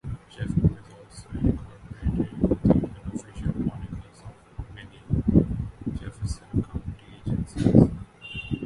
Jeffco is also incorporated in the unofficial monikers of many Jefferson County agencies.